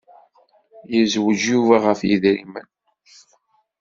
Yezweǧ Yuba ɣef yedrimen.